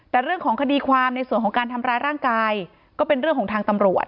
แต่เรื่องของคดีความในส่วนของการทำร้ายร่างกายก็เป็นเรื่องของทางตำรวจ